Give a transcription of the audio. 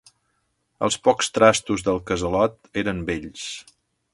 Els pocs trastos del casalot eren vells